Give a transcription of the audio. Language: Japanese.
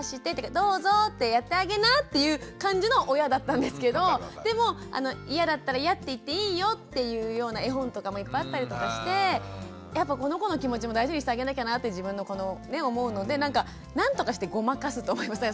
「どうぞってやってあげな」っていう感じの親だったんですけどでもイヤだったらイヤって言っていいよっていうような絵本とかもいっぱいあったりとかしてやっぱこの子の気持ちも大事にしてあげなきゃなって自分の子の思うのでなんかなんとかしてごまかすと思います。